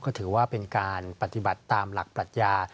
ก็ถือว่าเป็นการปฏิบัติตามหลักปรัชญา